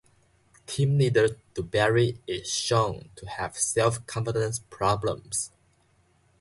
Team leader DuBarry is shown to have self-confidence problems.